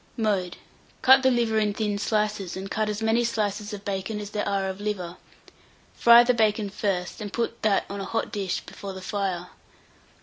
Mode. Cut the liver in thin slices, and cut as many slices of bacon as there are of liver; fry the bacon first, and put that on a hot dish before the fire.